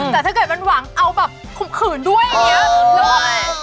แต่ถ้าเกิดมันหวังเอาแบบข่มขืนด้วยอย่างนี้